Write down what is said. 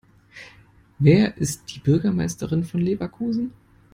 Wer ist die Bürgermeisterin von Leverkusen?